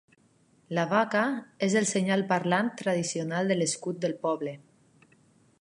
La vaca és el senyal parlant tradicional de l'escut del poble.